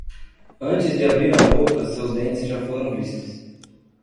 Antes de abrir a boca, seus dentes já foram vistos.